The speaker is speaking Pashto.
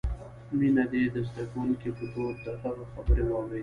مينه دې د زدکونکې په دود د هغه خبرې واوري.